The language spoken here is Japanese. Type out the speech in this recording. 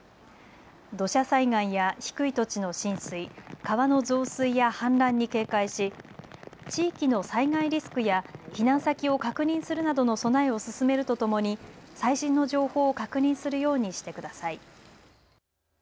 土砂災害や低い土地の浸水川の増水や氾濫に警戒し地域の災害リスクや避難先を確認するなどの備えを進めるとともに最新の情報を確認するようにしてください。